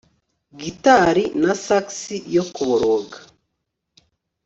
guitari na sax yo kuboroga